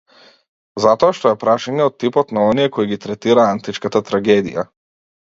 Затоа што е прашање од типот на оние кои ги третира античката трагедија.